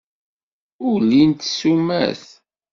Ulint ssumat.